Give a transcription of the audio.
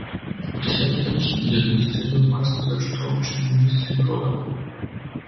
Patricia Bailey-Jones, del ministerio Master’s Touch Ministry Global.